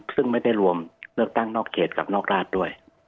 ซึ่งไม่ได้รวมเลือกตั้งนอกเขตกับนอกราชด้วย